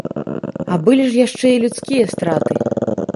А былі ж яшчэ і людскія страты.